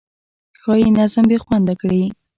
ښایي نظم بې خونده کړي.